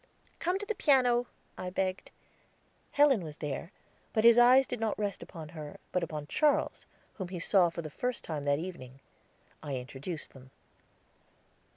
"Come to the piano," I begged. Helen was there, but his eyes did not rest upon her, but upon Charles, whom I saw for the first time that evening. I introduced them.